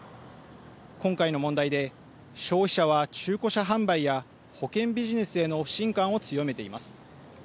今回の問題で消費者は中古車販売や保険ビジネスへの不信感を強めています。